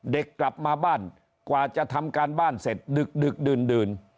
กลับมาบ้านกว่าจะทำการบ้านเสร็จดึกดื่น